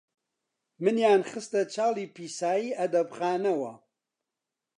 منیان خستە چاڵی پیسایی ئەدەبخانەوە،